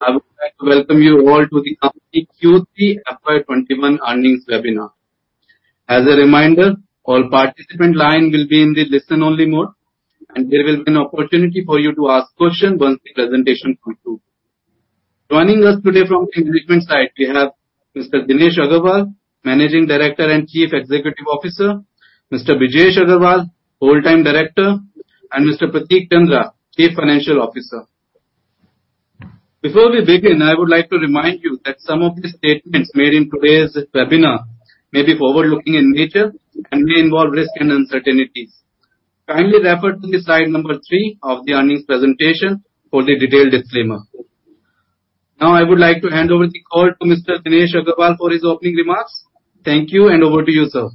I would like to welcome you all to the company Q3 FY 2021 earnings webinar. As a reminder, all participant line will be in the listen only mode, and there will be an opportunity for you to ask questions once the presentation concludes. Joining us today from the management side, we have Mr. Dinesh Agarwal, Managing Director and Chief Executive Officer, Mr. Brijesh Agrawal, Whole-time Director, and Mr. Prateek Chandra, Chief Financial Officer. Before we begin, I would like to remind you that some of the statements made in today's webinar may be forward-looking in nature and may involve risk and uncertainties. Kindly refer to slide number three of the earnings presentation for the detailed disclaimer. Now, I would like to hand over the call to Mr. Dinesh Agarwal for his opening remarks. Thank you, over to you, sir.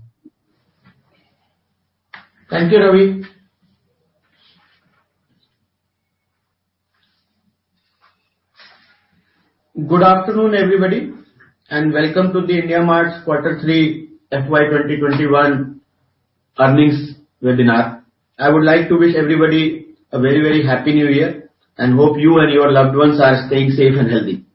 Thank you, Ravi. Good afternoon, everybody, and welcome to the IndiaMART's Quarter Three FY 2021 earnings webinar. I would like to wish everybody a very happy New Year, and hope you and your loved ones are staying safe and healthy.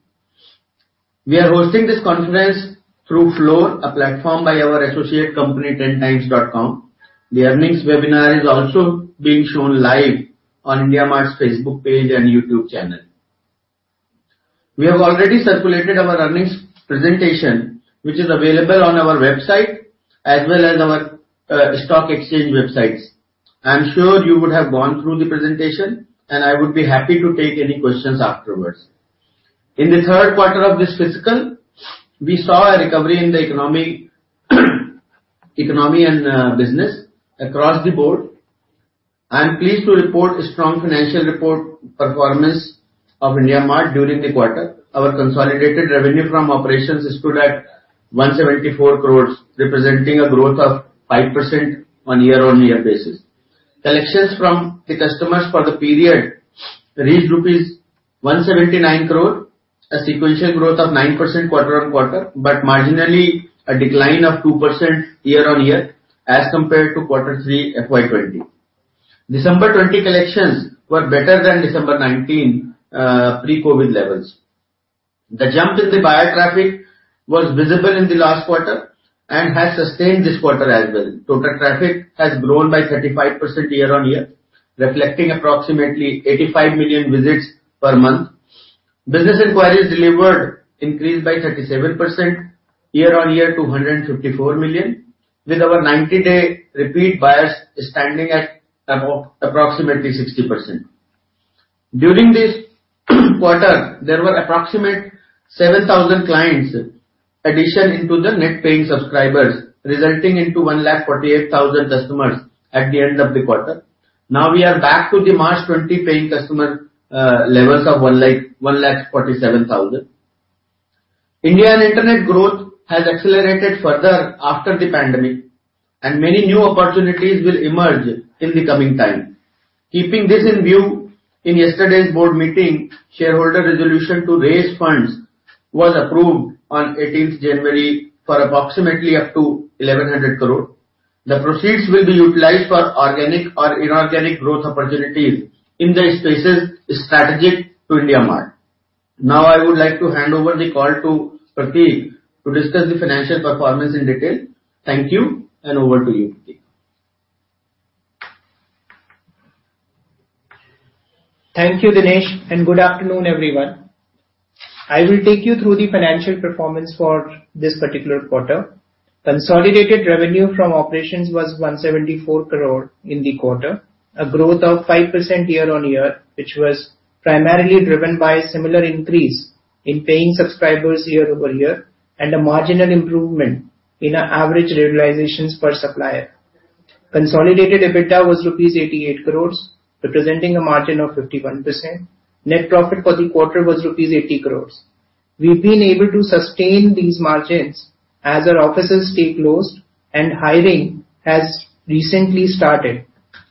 We are hosting this conference through FLOOR, a platform by our associate company, 10times.com. The earnings webinar is also being shown live on IndiaMART's Facebook page and YouTube channel. We have already circulated our earnings presentation, which is available on our website as well as our stock exchange websites. I'm sure you would have gone through the presentation, and I would be happy to take any questions afterwards. In the third quarter of this fiscal, we saw a recovery in the economy and business across the board. I'm pleased to report a strong financial report performance of IndiaMART during the quarter. Our consolidated revenue from operations stood at 174 crore, representing a growth of 5% on year-on-year basis. Collections from the customers for the period reached rupees 179 crore, a sequential growth of 9% quarter-on-quarter. Marginally a decline of 2% year-on-year as compared to quarter three FY 2020. December 2020 collections were better than December 2019 pre-COVID levels. The jump in the buyer traffic was visible in the last quarter and has sustained this quarter as well. Total traffic has grown by 35% year-on-year, reflecting approximately 85 million visits per month. Business inquiries delivered increased by 37% year-on-year to 154 million, with our 90-day repeat buyers standing at approximately 60%. During this quarter, there were approximate 7,000 clients addition into the net paying subscribers, resulting into 148,000 customers at the end of the quarter. We are back to the March 2020 paying customer levels of 147,000. Indian internet growth has accelerated further after the pandemic, and many new opportunities will emerge in the coming time. Keeping this in view, in yesterday's board meeting, shareholder resolution to raise funds was approved on 18th January for approximately up to 1,100 crore. The proceeds will be utilized for organic or inorganic growth opportunities in the spaces strategic to IndiaMART. Now, I would like to hand over the call to Prateek to discuss the financial performance in detail. Thank you, and over to you, Prateek. Thank you, Dinesh. Good afternoon, everyone. I will take you through the financial performance for this particular quarter. Consolidated revenue from operations was 174 crore in the quarter, a growth of 5% year-on-year, which was primarily driven by a similar increase in paying subscribers year-over-year, and a marginal improvement in our average realizations per supplier. Consolidated EBITDA was rupees 88 crore, representing a margin of 51%. Net profit for the quarter was rupees 80 crore. We've been able to sustain these margins as our offices stay closed and hiring has recently started.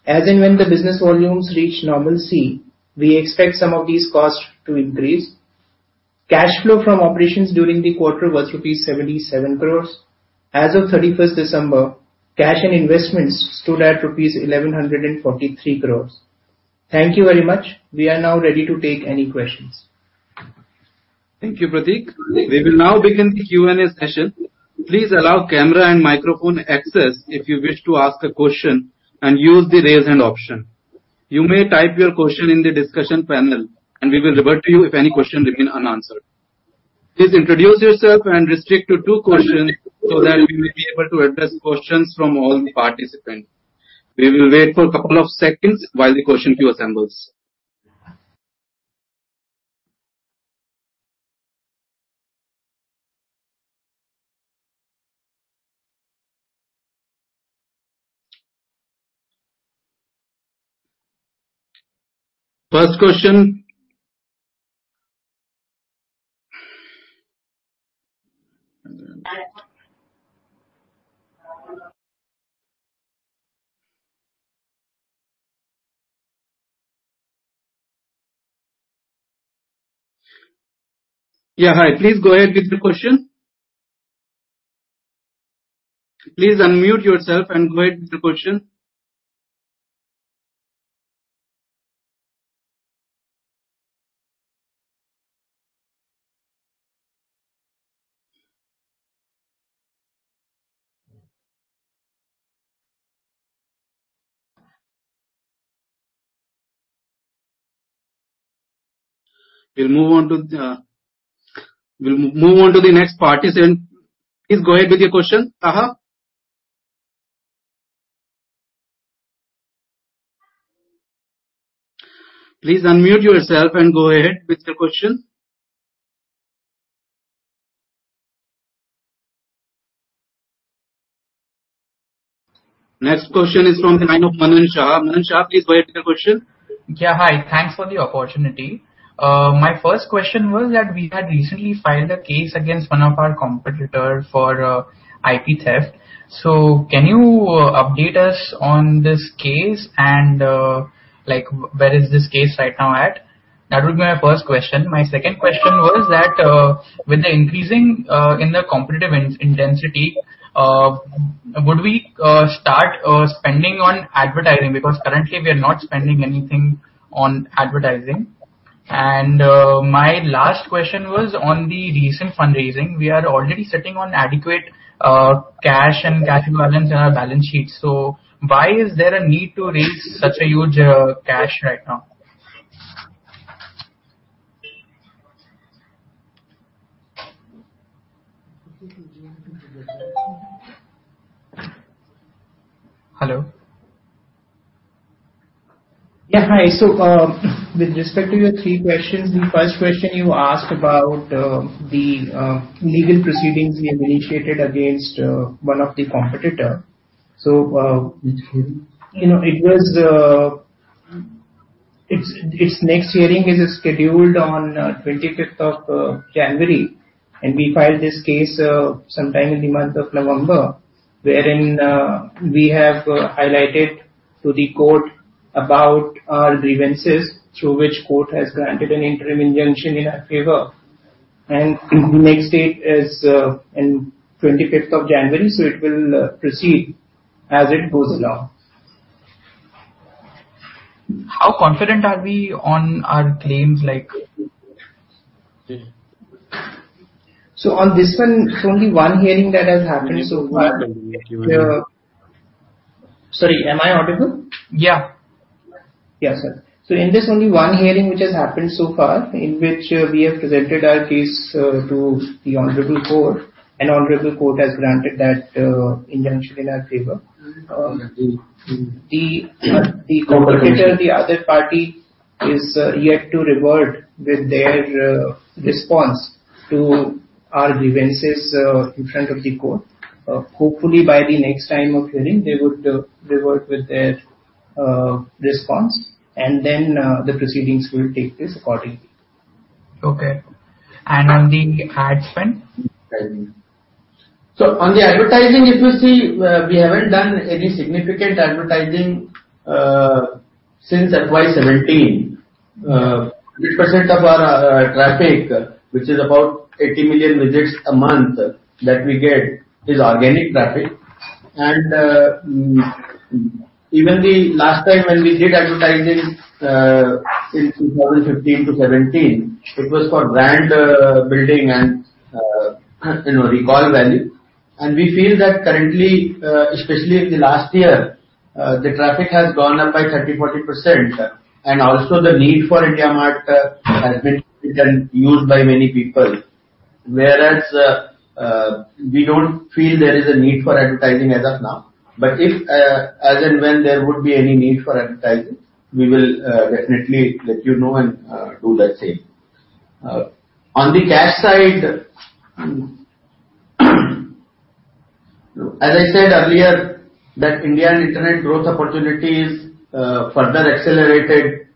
As and when the business volumes reach normalcy, we expect some of these costs to increase. Cash flow from operations during the quarter was rupees 77 crore. As of 31st December, cash and investments stood at rupees 1,143 crore. Thank you very much. We are now ready to take any questions. Thank you, Prateek. We will now begin the Q&A session. Please allow camera and microphone access if you wish to ask a question, and use the raise hand option. You may type your question in the discussion panel, and we will revert to you if any question remain unanswered. Please introduce yourself and restrict to two questions so that we will be able to address questions from all the participants. We will wait for a couple of seconds while the question queue assembles. First question. Yeah, hi. Please go ahead with the question. Please unmute yourself and go ahead with your question. We'll move on to the next participant. Please go ahead with your question. Please unmute yourself and go ahead with your question. Next question is from the line of Manan Shah. Manan Shah, please go ahead with your question. Yeah, hi. Thanks for the opportunity. My first question was that we had recently filed a case against one of our competitor for IP theft. Can you update us on this case and where is this case right now at? That would be my first question. My second question was that with the increasing in the competitive intensity, would we start spending on advertising? Currently, we are not spending anything on advertising. My last question was on the recent fundraising. We are already sitting on adequate cash and cash equivalents in our balance sheets. Why is there a need to raise such a huge cash right now? Hello? Yeah. Hi. With respect to your three questions, the first question you asked about the legal proceedings we have initiated against one of the competitor. Which hearing? Its next hearing is scheduled on 25th of January, and we filed this case sometime in the month of November, wherein we have highlighted to the court about our grievances, through which court has granted an interim injunction in our favor. Next date is in 25th of January, so it will proceed as it goes along. How confident are we on our claims? On this one, it's only one hearing that has happened so far. Sorry, am I audible? Yeah. Yeah, sir. In this only one hearing which has happened so far, in which we have presented our case to the honorable court, honorable court has granted that injunction in our favor. The competitor, the other party, is yet to revert with their response to our grievances in front of the court. Hopefully, by the next time of hearing, they would revert with their response, the proceedings will take place accordingly. Okay. On the ad spend? On the advertising, if you see, we haven't done any significant advertising since FY2017. 80% of our traffic, which is about 80 million visits a month that we get, is organic traffic. Even the last time when we did advertising, since 2015 to 2017, it was for brand building and recall value. We feel that currently, especially in the last year, the traffic has gone up by 30%-40%, and also the need for IndiaMART has been used by many people, whereas we don't feel there is a need for advertising as of now. If as and when there would be any need for advertising, we will definitely let you know and do the same. On the cash side, as I said earlier, that Indian internet growth opportunity is further accelerated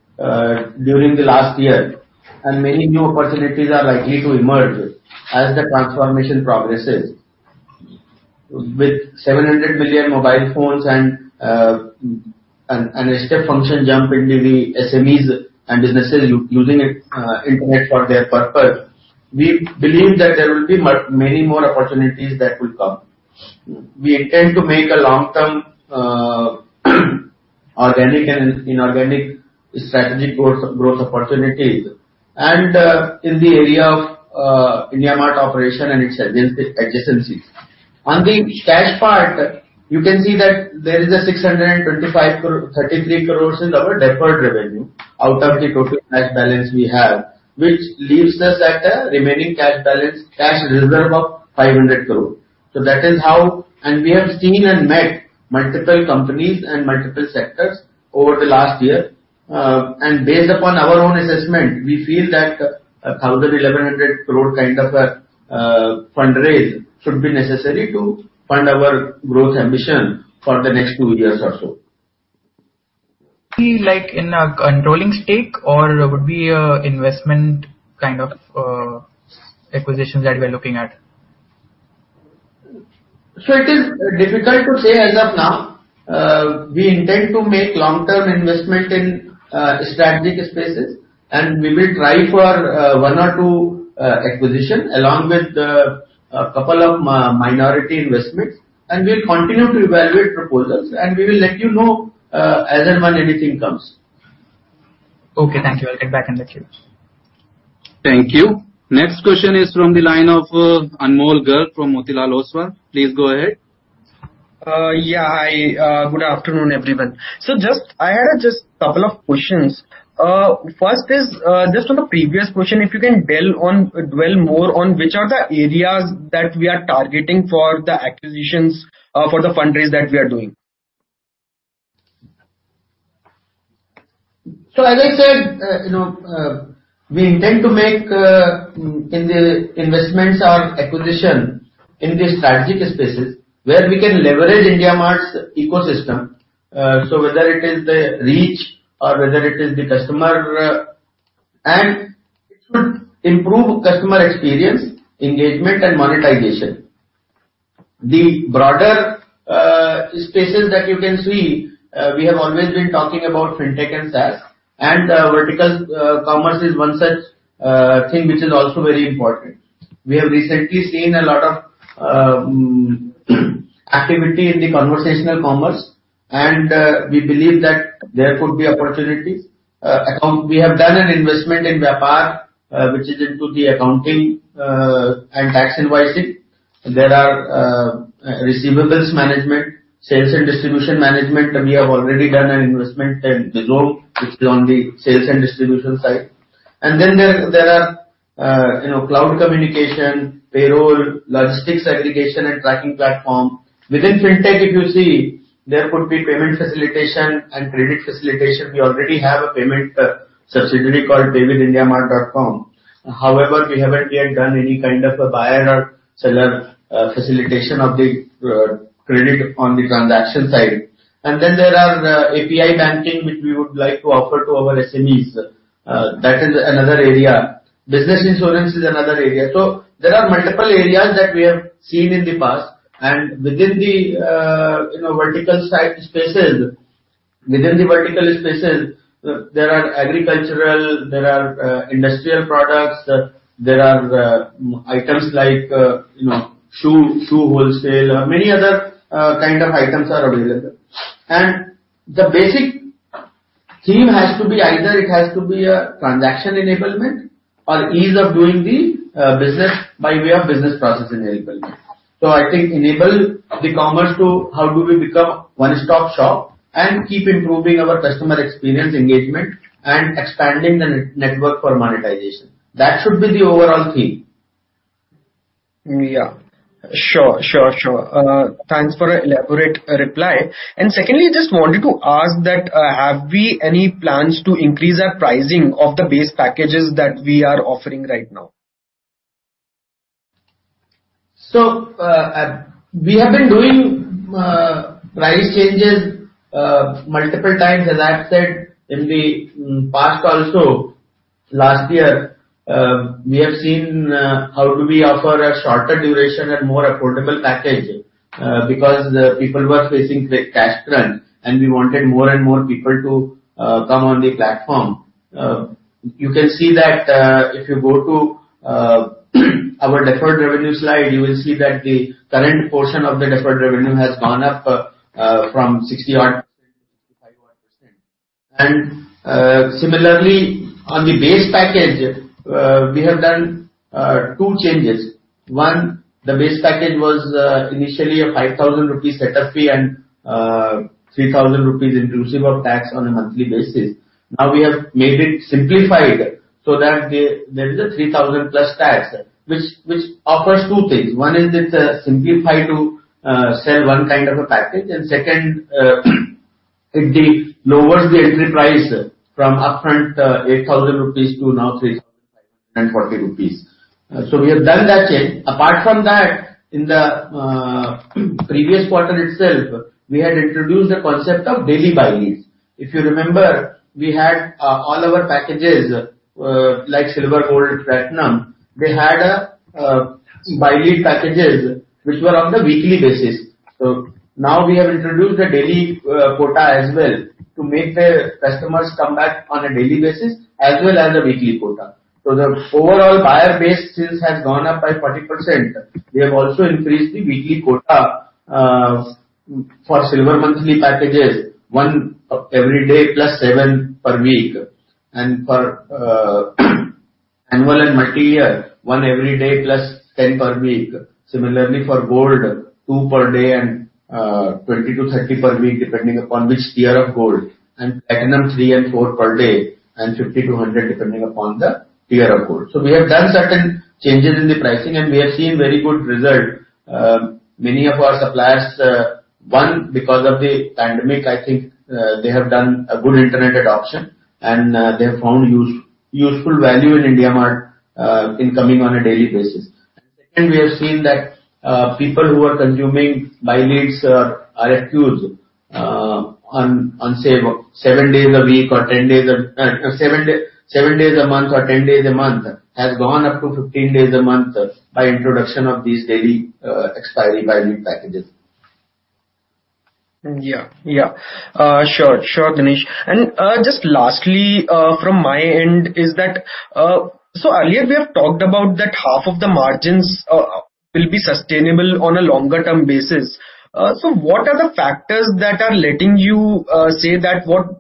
during the last year, and many new opportunities are likely to emerge as the transformation progresses. With 700 million mobile phones and a step function jump into the SMEs and businesses using internet for their purpose, we believe that there will be many more opportunities that will come. We intend to make a long-term organic and inorganic strategic growth opportunities and in the area of IndiaMART operation and its adjacencies. On the cash part, you can see that there is 633 crores in our deferred revenue out of the total cash balance we have, which leaves us at a remaining cash reserve of 500 crores. We have seen and met multiple companies and multiple sectors over the last year. Based upon our own assessment, we feel that 1,000 crore-1,100 crore kind of a fundraise should be necessary to fund our growth ambition for the next two years or so. Be like in a controlling stake, or would be an investment kind of acquisition that we're looking at? It is difficult to say as of now. We intend to make long-term investment in strategic spaces, and we will try for one or two acquisitions along with a couple of minority investments. We'll continue to evaluate proposals, and we will let you know as and when anything comes. Okay, thank you. I'll get back in the queue. Thank you. Next question is from the line of Anmol Garg from Motilal Oswal. Please go ahead. Yeah. Hi, good afternoon, everyone. I had just a couple of questions. First, just on the previous question, if you can dwell more on which are the areas that we are targeting for the acquisitions for the fundraise that we are doing. As I said, we intend to make investments or acquisition in the strategic spaces where we can leverage IndiaMART's ecosystem. Whether it is the reach or whether it is the customer, and it should improve customer experience, engagement, and monetization. The broader spaces that you can see, we have always been talking about fintech and SaaS, and vertical commerce is one such thing which is also very important. We have recently seen a lot of activity in the conversational commerce, and we believe that there could be opportunities. We have done an investment in Vyapar, which is into the accounting and tax invoicing. There are receivables management, sales and distribution management. We have already done an investment in Bizom, which is on the sales and distribution side. Then there are cloud communication, payroll, logistics aggregation and tracking platform. Within fintech, if you see, there could be payment facilitation and credit facilitation. We already have a payment subsidiary called paywithindiamart.com. However, we haven't yet done any kind of a buyer or seller facilitation of the credit on the transaction side. There are API banking, which we would like to offer to our SMEs. That is another area. Business insurance is another area. There are multiple areas that we have seen in the past, and within the vertical spaces, there are agricultural, there are industrial products, there are items like shoe wholesale. Many other kind of items are available. The basic theme has to be either it has to be a transaction enablement or ease of doing the business by way of business process enablement. I think enable the commerce to how do we become a one-stop shop, and keep improving our customer experience engagement and expanding the network for monetization. That should be the overall theme. Yeah. Sure. Thanks for the elaborate reply. Secondly, just wanted to ask that, have we any plans to increase our pricing of the base packages that we are offering right now? We have been doing price changes multiple times. As I've said, in the past also, last year, we have seen how do we offer a shorter duration and more affordable package, because people were facing cash crunch, and we wanted more and more people to come on the platform. You can see that if you go to our deferred revenue slide, you will see that the current portion of the deferred revenue has gone up from 60% odd to 65% odd. Similarly, on the base package, we have done two changes. One, the base package was initially a 5,000 rupees setup fee and a 3,000 rupees inclusive of tax on a monthly basis. Now we have made it simplified so that there is a 3,000 plus tax, which offers two things. One is it simplify to sell one kind of a package, and second, it lowers the entry price from upfront 8,000 rupees to now 3,540 rupees. We have done that change. Apart from that, in the previous quarter itself, we had introduced a concept of daily BuyLeads. If you remember, we had all our packages, like Silver, Gold, Platinum, they had BuyLead packages which were on the weekly basis. Now we have introduced a daily quota as well to make the customers come back on a daily basis, as well as a weekly quota. The overall buyer base since has gone up by 40%. We have also increased the weekly quota for Silver monthly packages, one every day plus seven per week, and for annual and multi-year, one every day plus 10 per week. Similarly for Gold, two per day and 20-30 per week, depending upon which tier of Gold, and Platinum, three and four per day, and 50-100 depending upon the tier of Gold. We have done certain changes in the pricing, and we are seeing very good result. Many of our suppliers, one, because of the pandemic, I think, they have done a good internet adoption, and they have found useful value in IndiaMART in coming on a daily basis. Second, we have seen that people who are consuming BuyLeads or RFQs on, say, seven days a week or 10 days a month has gone up to 15 days a month by introduction of these daily expiry value packages. Yeah. Sure, Dinesh. Just lastly, from my end is that earlier we have talked about that half of the margins will be sustainable on a longer-term basis. What are the factors that are letting you say that what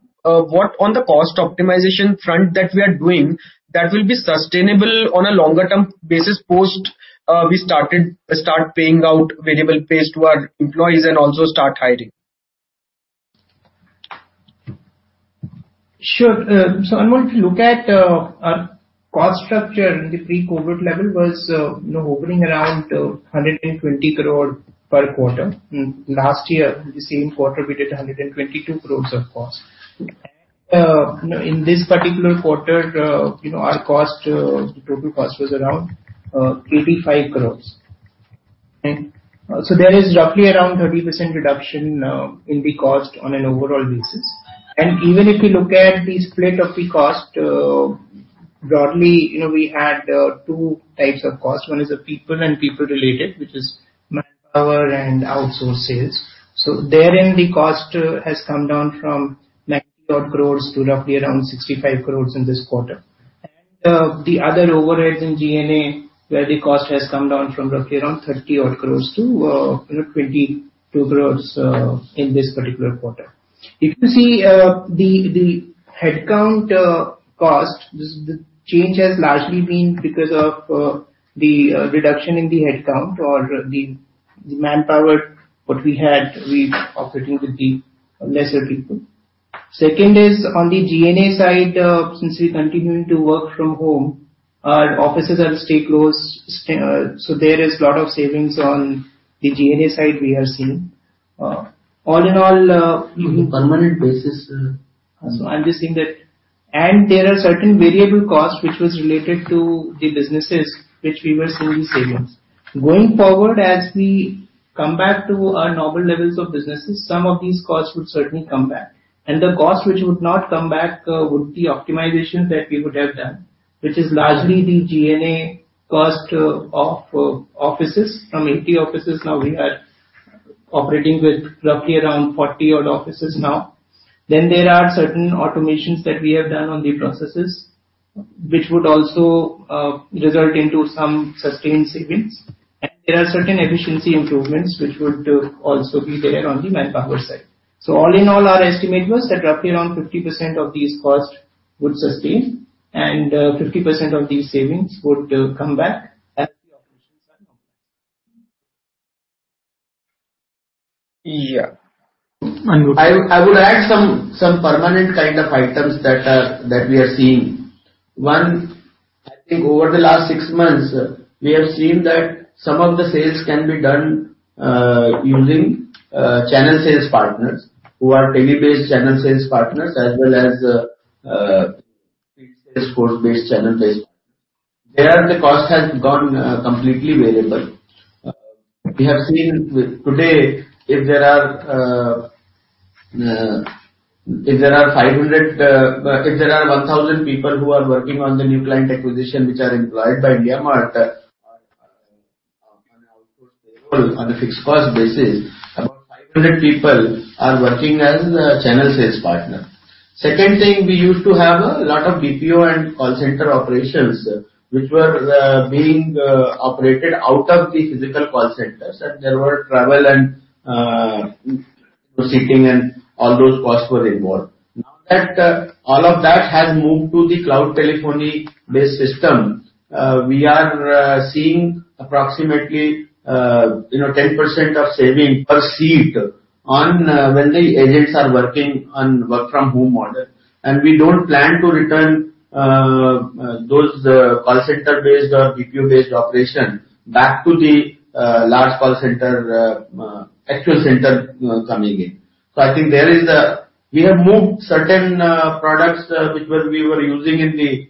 on the cost optimization front that we are doing that will be sustainable on a longer-term basis post we start paying out variable pay to our employees and also start hiring? Sure. I'm going to look at our cost structure in the pre-COVID level was hovering around 120 crore per quarter. Last year, the same quarter, we did 122 crore of cost. In this particular quarter, our total cost was around 85 crore. There is roughly around 30% reduction in the cost on an overall basis. Even if you look at the split of the cost broadly, we had two types of cost. One is the people and people related, which is manpower and outsources. Therein, the cost has come down from INR 90 odd crore to roughly around 65 crore in this quarter. The other overhead in G&A, where the cost has come down from roughly around 30 odd crore to 22 crore in this particular quarter. If you see the headcount cost, the change has largely been because of the reduction in the headcount or the manpower, what we had, we're operating with the lesser people. Second is on the G&A side, since we're continuing to work from home, our offices are stay closed, so there is a lot of savings on the G&A side we are seeing. Even permanent basis. I'm just saying that. There are certain variable costs which was related to the businesses which we were seeing the savings. Going forward, as we come back to our normal levels of businesses, some of these costs would certainly come back. The cost which would not come back would be optimizations that we would have done, which is largely the G&A cost of offices. From 80 offices, now we are operating with roughly around 40 odd offices now. There are certain automations that we have done on the processes, which would also result into some sustained savings. There are certain efficiency improvements which would also be there on the manpower side. All in all, our estimate was that roughly around 50% of these costs would sustain and 50% of these savings would come back as the operations are complex. Yeah. I would add some permanent kind of items that we are seeing. One, I think over the last six months, we have seen that some of the sales can be done using channel sales partners who are tele-based channel sales partners, as well as field sales force-based, channel based. There, the cost has gone completely variable. We have seen today, if there are 1,000 people who are working on the new client acquisition, which are employed by IndiaMART on an outsource payroll, on a fixed cost basis, about 500 people are working as a channel sales partner. Second thing, we used to have a lot of BPO and call center operations, which were being operated out of the physical call centers, and there were travel and sitting and all those costs were involved. Now that all of that has moved to the cloud telephony-based system, we are seeing approximately 10% of saving per seat when the agents are working on work-from-home model. We don't plan to return those call center-based or BPO-based operation back to the large call center, actual center coming in. I think we have moved certain products which we were using in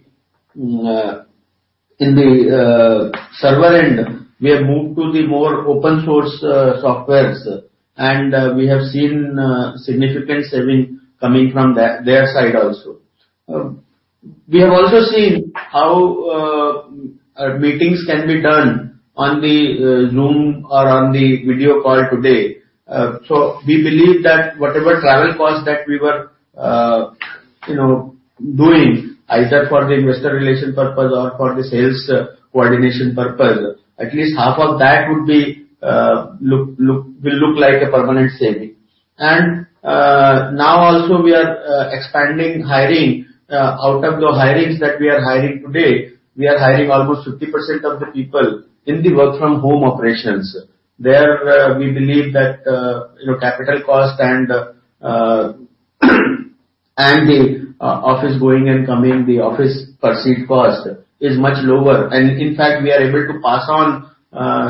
the server end. We have moved to the more open source softwares, and we have seen significant saving coming from their side also. We have also seen how meetings can be done on the Zoom or on the video call today. We believe that whatever travel cost that we were doing, either for the investor relation purpose or for the sales coordination purpose, at least half of that will look like a permanent saving. Now also we are expanding hiring. Out of the hirings that we are hiring today, we are hiring almost 50% of the people in the work-from-home operations. There, we believe that capital cost and the office going and coming, the office per seat cost is much lower. In fact, we are able to pass on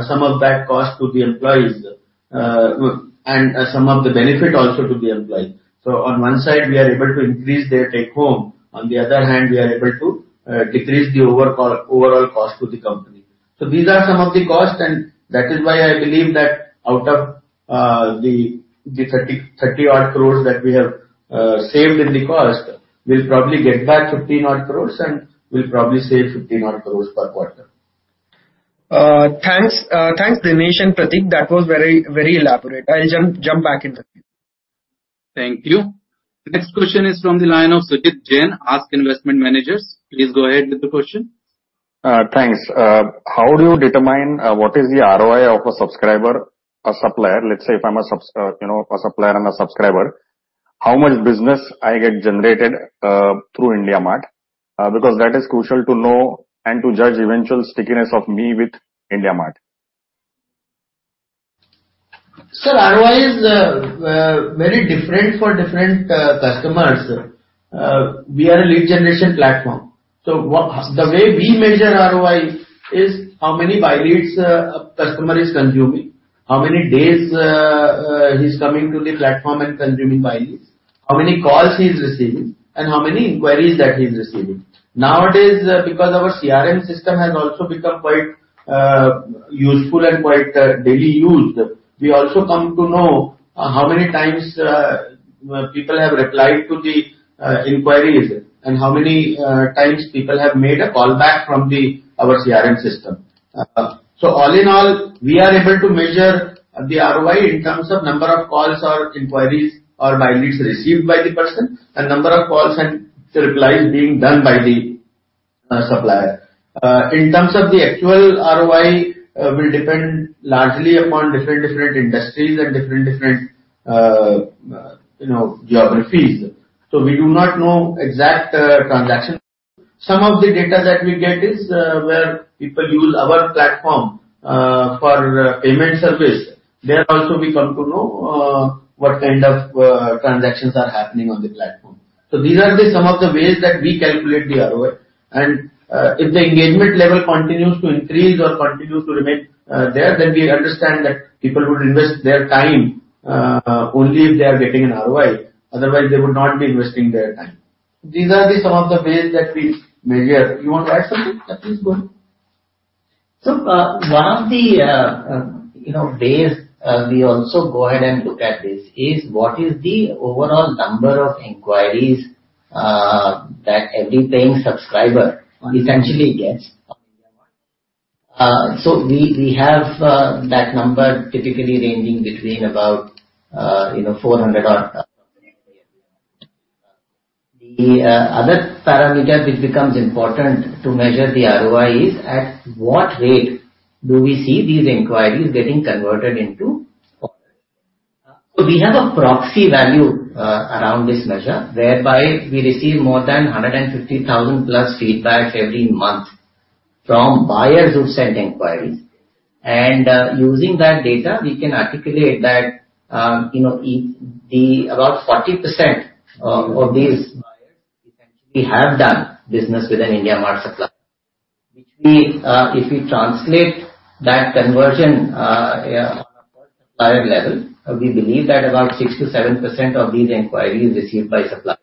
some of that cost to the employees, and some of the benefit also to the employee. On one side, we are able to increase their take-home. On the other hand, we are able to decrease the overall cost to the company. These are some of the costs, and that is why I believe that out of the 30 odd crores that we have saved in the cost, we'll probably get back 15 odd crores, and we'll probably save 15 odd crores per quarter. Thanks, Dinesh and Prateek. That was very elaborate. I'll jump back into queue. Thank you. The next question is from the line of Sumit Jain, ASK Investment Managers. Please go ahead with the question. Thanks. How do you determine what is the ROI of a supplier? Let's say if I'm a supplier and a subscriber, how much business I get generated through IndiaMART, because that is crucial to know and to judge eventual stickiness of me with IndiaMART. Sir, ROI is very different for different customers. We are a lead generation platform. The way we measure ROI is how many BuyLeads a customer is consuming, how many days he's coming to the platform and consuming BuyLeads, how many calls he's receiving, and how many inquiries that he's receiving. Nowadays, because our CRM system has also become quite useful and quite daily used, we also come to know how many times people have replied to the inquiries and how many times people have made a call back from our CRM system. All in all, we are able to measure the ROI in terms of number of calls or inquiries or BuyLeads received by the person, and number of calls and replies being done by the supplier. In terms of the actual ROI, will depend largely upon different industries and different geographies. We do not know exact transaction. Some of the data that we get is where people use our platform for payment service. There also we come to know what kind of transactions are happening on the platform. These are some of the ways that we calculate the ROI. If the engagement level continues to increase or continues to remain there, then we understand that people would invest their time, only if they are getting an ROI. Otherwise, they would not be investing their time. These are some of the ways that we measure. You want to add something? Brijesh, go on. One of the ways we also go ahead and look at this is what is the overall number of inquiries that every paying subscriber essentially gets. We have that number typically ranging between about 400 odd per query every month. The other parameter which becomes important to measure the ROI is at what rate do we see these inquiries getting converted into orders. We have a proxy value around this measure, whereby we receive more than 150,000+ feedbacks every month from buyers who've sent inquiries. Using that data, we can articulate that about 40% of these buyers essentially have done business with an IndiaMART supplier, which if we translate that conversion on a per supplier level, we believe that about 6%-7% of these inquiries received by suppliers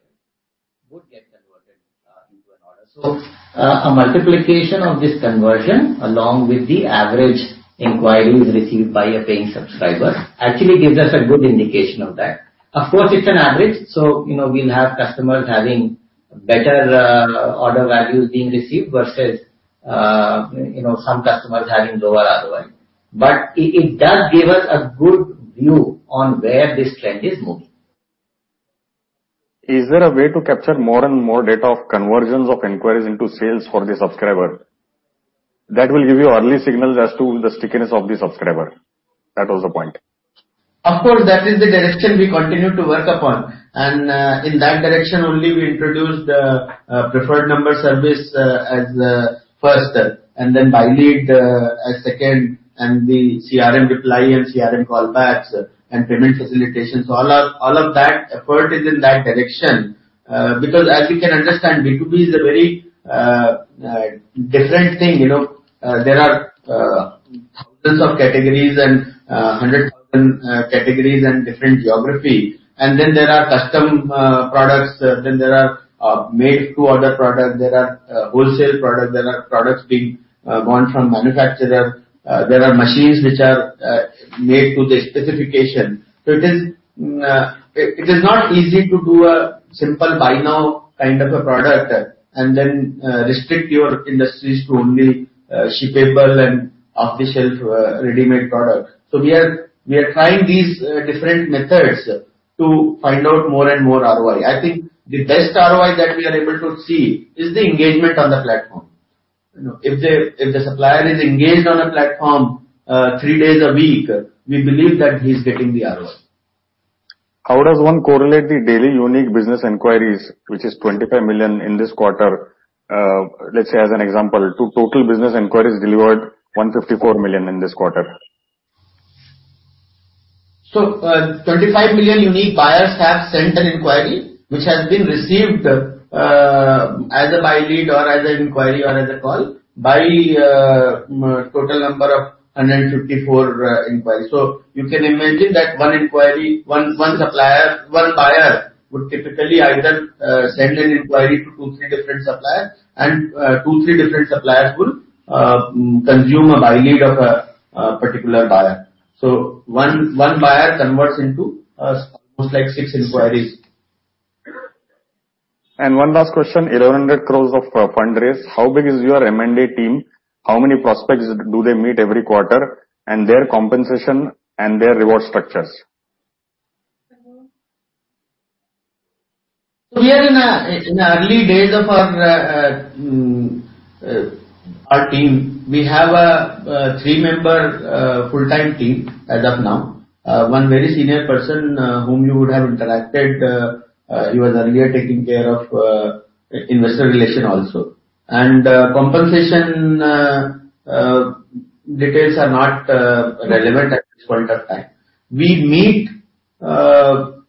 would get converted into an order. A multiplication of this conversion along with the average inquiries received by a paying subscriber actually gives us a good indication of that. Of course, it's an average. We'll have customers having better order values being received versus some customers having lower ROI. It does give us a good view on where this trend is moving. Is there a way to capture more and more data of conversions of inquiries into sales for the subscriber? That will give you early signals as to the stickiness of the subscriber. That was the point. Of course, that is the direction we continue to work upon. In that direction only we introduced Preferred Number Service as first, then BuyLeads as second, the CRM reply and CRM callbacks, and payment facilitation. All of that effort is in that direction, because as you can understand, B2B is a very different thing. There are thousands of categories and 100,000 categories and different geography. There are custom products, there are made to order products, there are wholesale products, there are products being bought from manufacturer, there are machines which are made to the specification. It is not easy to do a simple buy now kind of a product and then restrict your industries to only shippable and off-the-shelf readymade product. We are trying these different methods to find out more and more ROI. I think the best ROI that we are able to see is the engagement on the platform. If the supplier is engaged on a platform three days a week, we believe that he's getting the ROI. How does one correlate the daily unique business inquiries, which is 25 million in this quarter, let's say as an example, to total business inquiries delivered 154 million in this quarter? 25 million unique buyers have sent an inquiry which has been received either by BuyLead or either inquiry or as a call by total number of 154 inquiries. You can imagine that one buyer would typically either send an inquiry to two, three different suppliers, and two, three different suppliers would consume a BuyLead of a particular buyer. One buyer converts into almost six inquiries. One last question. 1,100 crores of fund raise, how big is your M&A team? How many prospects do they meet every quarter, and their compensation and their reward structures? We are in the early days of our team. We have a three-member full-time team as of now. One very senior person whom you would have interacted, he was earlier taking care of investor relation also. Compensation details are not relevant at this point of time. We meet and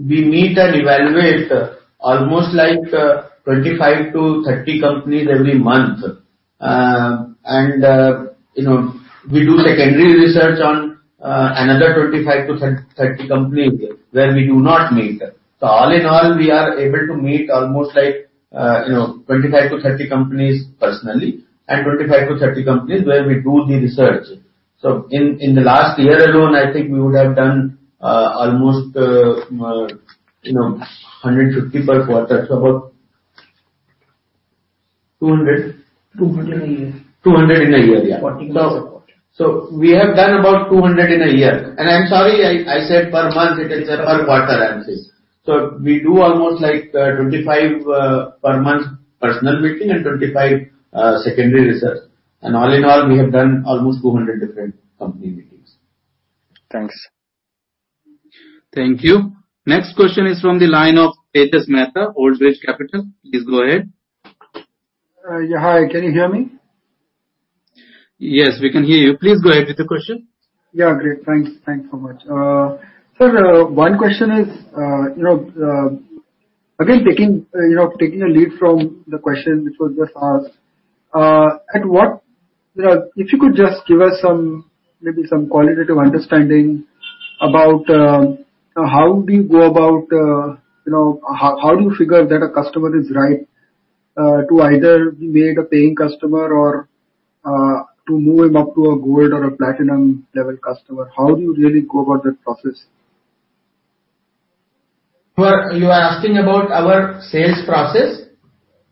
evaluate almost 25 to 30 companies every month. We do secondary research on another 25 to 30 companies where we do not meet. All in all, we are able to meet almost 25 to 30 companies personally and 25 to 30 companies where we do the research. In the last year alone, I think we would have done almost 150 per quarter, so about 200. 200 a year. 200 in a year, yeah. 40 calls per quarter. We have done about 200 in a year. I'm sorry, I said per month. It is per quarter analysis. We do almost 25 per month personal meeting and 25 secondary research. All in all, we have done almost 200 different company meetings. Thanks. Thank you. Next question is from the line of Kshitij Mehta, OldBridge Capital. Please go ahead. Hi, can you hear me? Yes, we can hear you. Please go ahead with the question. Yeah, great. Thanks so much. Sir, one question is, again, taking a lead from the question which was just asked. If you could just give us maybe some qualitative understanding about how do you figure that a customer is right to either be made a paying customer or to move him up to a Gold or a Platinum-level customer? How do you really go about that process? You are asking about our sales process?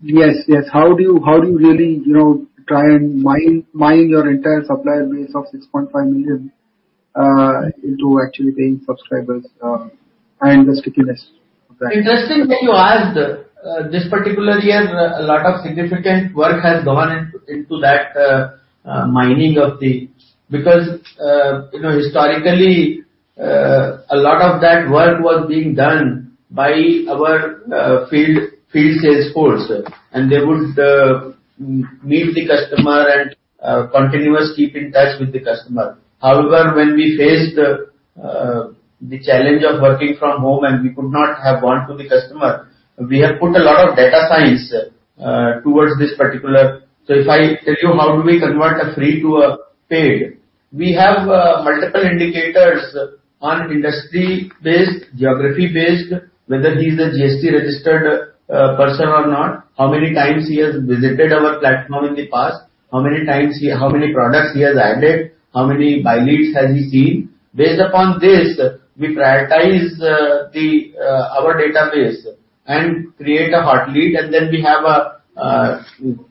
Yes. How do you really try and mine your entire supplier base of 6.5 million into actually paying subscribers and the stickiness of that? Interesting that you asked. This particular year, a lot of significant work has gone into that mining. Historically, a lot of that work was being done by our field sales force, and they would meet the customer and continuously keep in touch with the customer. However, when we faced the challenge of working from home and we could not have gone to the customer, we have put a lot of data science towards this particular. If I tell you how do we convert a free to a paid, we have multiple indicators on industry-based, geography-based, whether he's a GST-registered person or not, how many times he has visited our platform in the past, how many products he has added, how many BuyLeads has he seen. Based upon this, we prioritize our database and create a hot lead, and then we have a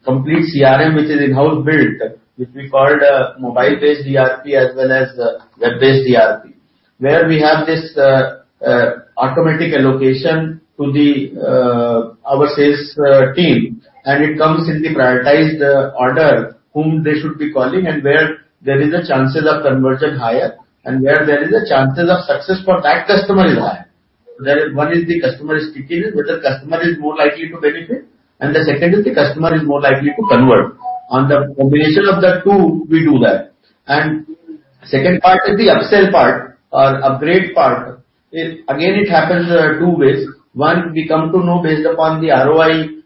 complete CRM, which is in-house built, which we called a mobile-based ERP as well as web-based ERP, where we have this automatic allocation to our sales team, and it comes in the prioritized order whom they should be calling and where there is a chances of conversion higher, and where there is a chances of success for that customer is high. One is the customer is sticking, whether customer is more likely to benefit, and the second is the customer is more likely to convert. On the combination of the two, we do that. Second part is the upsell part or upgrade part. Again, it happens two ways. One, we come to know based upon the ROI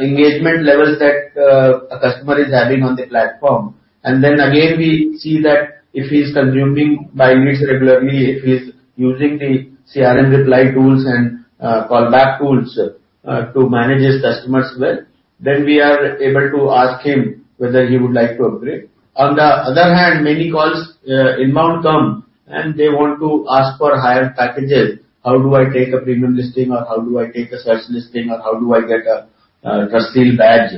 engagement levels that a customer is having on the platform. Then again, we see that if he's consuming BuyLeads regularly, if he's using the CRM reply tools and callback tools to manage his customers well, then we are able to ask him whether he would like to upgrade. On the other hand, many calls inbound come, and they want to ask for higher packages. How do I take a premium listing, or how do I take a search listing, or how do I get a TrustSEAL badge?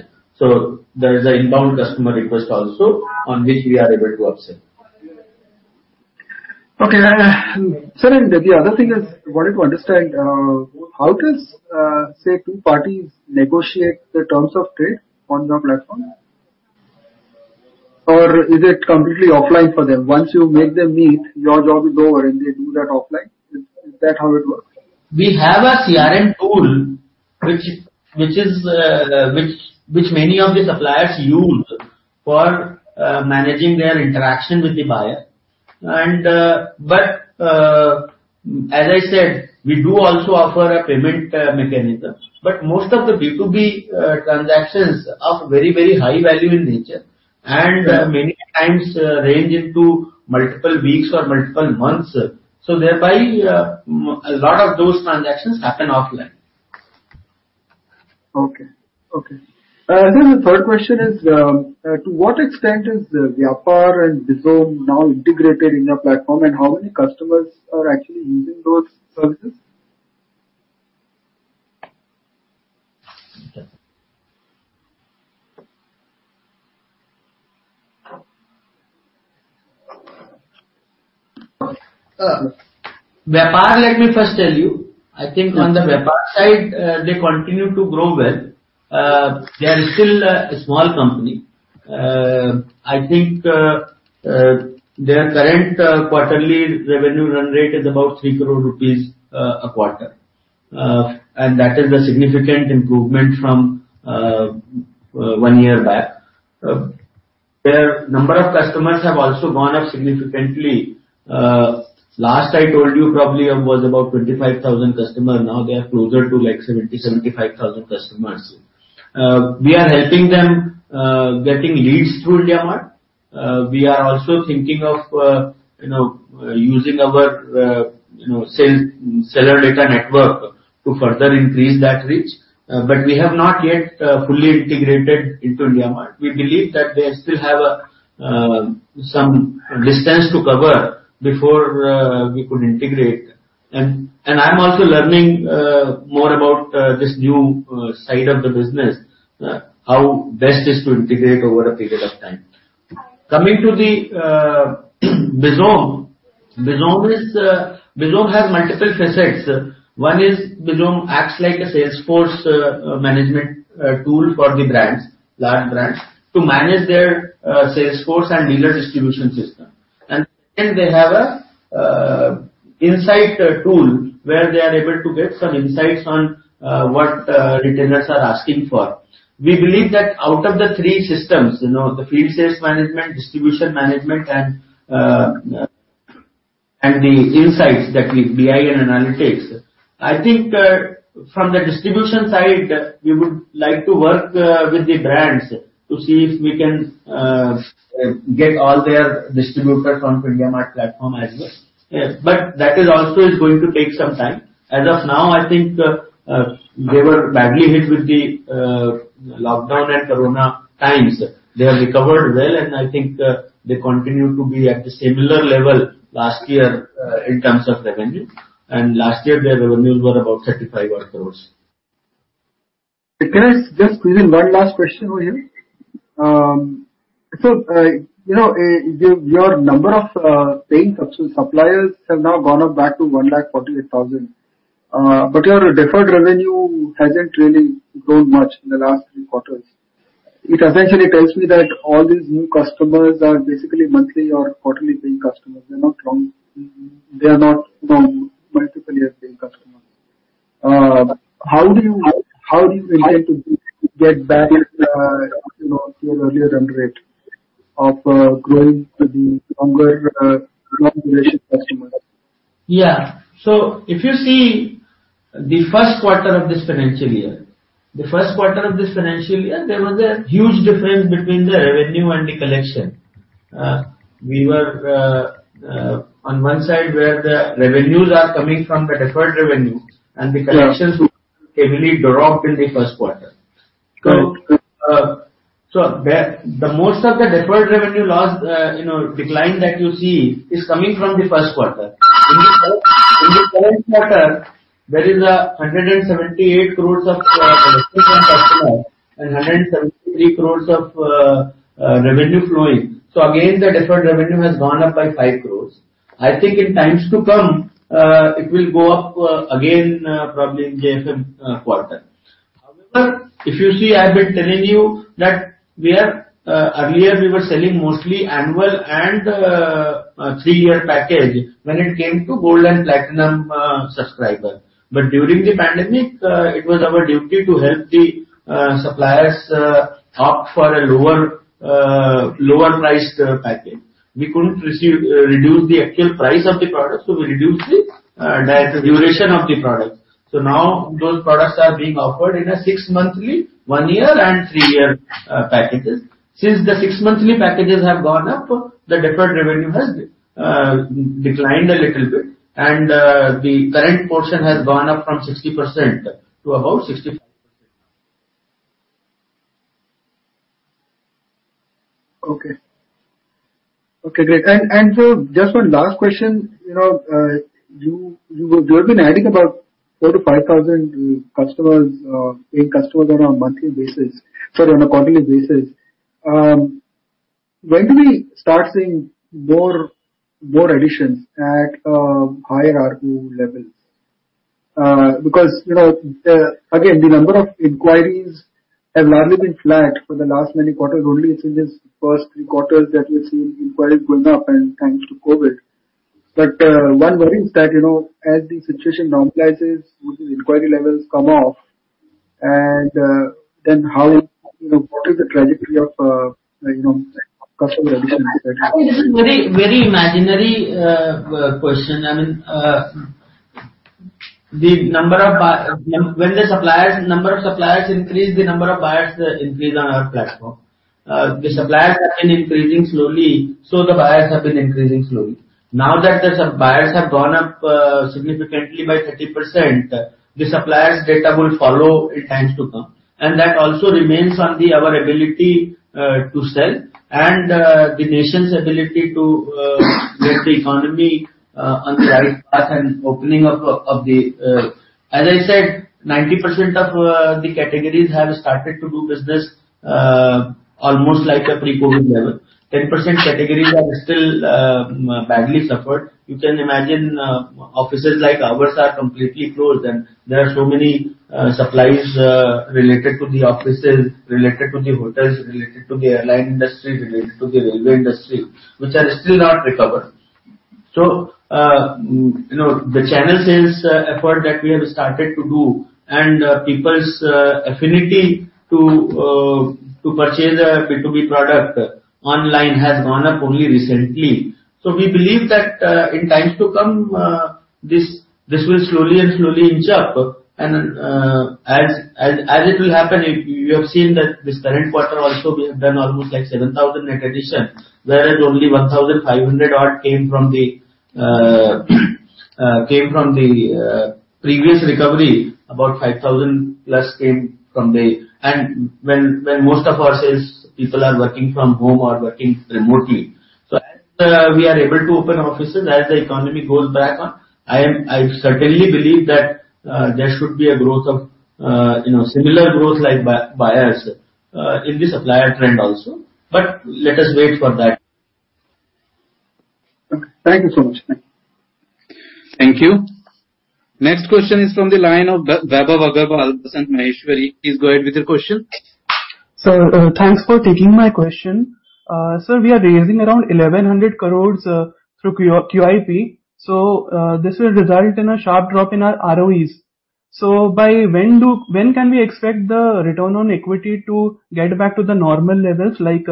There is an inbound customer request also on which we are able to upsell. Okay. Sir, the other thing is, I wanted to understand, how does, say, two parties negotiate the terms of trade on your platform? Is it completely offline for them? Once you make them meet, your job is over, and they do that offline. Is that how it works? We have a CRM tool, which many of the suppliers use for managing their interaction with the buyer. As I said, we do also offer a payment mechanism. Most of the B2B transactions are of very high value in nature, and many times range into multiple weeks or multiple months. Thereby, a lot of those transactions happen offline. Okay. The third question is, to what extent is Vyapar and Bizom now integrated in your platform, and how many customers are actually using those services? Vyapar, let me first tell you. I think on the Vyapar side, they continue to grow well. They are still a small company. I think their current quarterly revenue run rate is about 3 crore rupees a quarter. That is a significant improvement from one year back. Their number of customers have also gone up significantly. Last I told you probably it was about 25,000 customers. Now they are closer to 70,000-75,000 customers. We are helping them getting leads through IndiaMART. We are also thinking of using our seller data network to further increase that reach. We have not yet fully integrated into IndiaMART. We believe that they still have some distance to cover before we could integrate. I'm also learning more about this new side of the business, how best is to integrate over a period of time. Coming to the Bizom. Bizom has multiple facets. One is Bizom acts like a sales force management tool for the large brands to manage their sales force and dealer distribution system. Second, they have a insight tool where they are able to get some insights on what retailers are asking for. We believe that out of the three systems, the field sales management, distribution management, and the insights, that is BI and analytics, I think from the distribution side, we would like to work with the brands to see if we can get all their distributors on IndiaMART platform as well. Yes. That is also going to take some time. As of now, I think they were badly hit with the lockdown and corona times. They have recovered well, and I think they continue to be at the similar level last year in terms of revenue. Last year, their revenues were about 35 odd crores. Can I just squeeze in one last question over here? Your number of paying suppliers have now gone up back to 148,000. Your deferred revenue hasn't really grown much in the last three quarters. It essentially tells me that all these new customers are basically monthly or quarterly paying customers. They're not multi-year paying customers. How do you intend to get back to your earlier run rate of growing to the longer duration customers? Yeah. If you see the first quarter of this financial year, there was a huge difference between the revenue and the collection. We were on one side where the revenues are coming from the deferred revenue, and the collections heavily dropped in the first quarter. Correct. The most of the deferred revenue last decline that you see is coming from the first quarter. In the current quarter, there is 178 crores of deferred revenue and 173 crores of revenue flowing. Again, the deferred revenue has gone up by 5 crores. I think in times to come, it will go up again, probably in JFM quarter. However, if you see, I've been telling you that earlier we were selling mostly annual and three-year package when it came to Gold and Platinum subscriber. During the pandemic, it was our duty to help the suppliers opt for a lower priced package. We couldn't reduce the actual price of the product, so we reduced the duration of the product. Now those products are being offered in a six-monthly, one-year, and three-year packages. Since the six monthly packages have gone up, the deferred revenue has declined a little bit, and the current portion has gone up from 60% to about 65%. Okay, great. Just one last question. You have been adding about 4,000-5,000 paying customers on a quarterly basis. When do we start seeing more additions at higher ARPU levels? Again, the number of inquiries have largely been flat for the last many quarters. Only it's in this first three quarters that we've seen inquiries going up and thanks to COVID. One worry is that, as the situation normalizes, would these inquiry levels come off and then what is the trajectory of customer addition that happens? This is very imaginary question. I mean, when the number of suppliers increase, the number of buyers increase on our platform. The suppliers have been increasing slowly, the buyers have been increasing slowly. Now that the buyers have gone up significantly by 30%, the suppliers'---. That also remains on our ability to sell and the nation's ability to get the economy on the right path and opening up. As I said, 90% of the categories have started to do business almost like a pre-COVID level. 10% categories are still badly suffered. You can imagine offices like ours are completely closed, and there are so many supplies related to the offices, related to the hotels, related to the airline industry, related to the railway industry, which are still not recovered. The channel sales effort that we have started to do and people's affinity to purchase a B2B product online has gone up only recently. We believe that in times to come, this will slowly inch up. As it will happen, you have seen that this current quarter also, we have done almost 7,000 net addition, whereas only 1,500 odd came from the previous recovery. When most of our sales people are working from home or working remotely. As we are able to open offices, as the economy goes back on, I certainly believe that there should be a similar growth like buyers in the supplier trend also. Let us wait for that. Okay. Thank you so much. Thank you. Next question is from the line of Vaibhav Agarwal, Basant Maheshwari. Please go ahead with your question. Sir, thanks for taking my question. Sir, we are raising around 1,100 crores through QIP, this will result in a sharp drop in our ROEs. When can we expect the return on equity to get back to the normal levels? Like,